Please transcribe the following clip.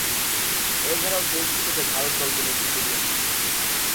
এছাড়াও, টেস্ট ক্রিকেটে ভারত দলকে নেতৃত্ব দিয়েছেন তিনি।